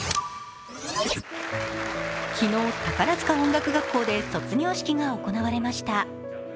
昨日、宝塚音楽学校で卒業式が行われました。